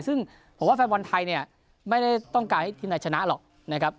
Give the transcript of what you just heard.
ซึ่งผมว่าแฟนบอลไทยเนี่ยไม่ได้ต้องการให้ทีมไทยชนะหรอกนะครับ